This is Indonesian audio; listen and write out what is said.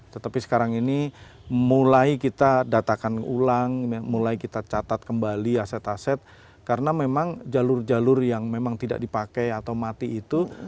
tetapi sekarang ini mulai kita datakan ulang mulai kita catat kembali aset aset karena memang jalur jalur yang memang tidak dipakai atau mati itu